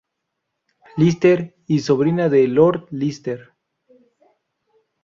Lister; y, sobrina de Lord Lister.